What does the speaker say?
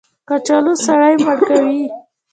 کچالو سړی مړ کوي